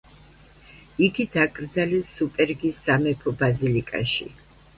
იგი დაკრძალეს სუპერგის სამეფო ბაზილიკაში.